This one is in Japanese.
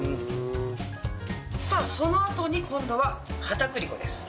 さあそのあとに今度は片栗粉です。